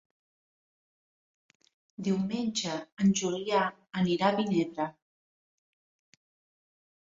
Diumenge en Julià anirà a Vinebre.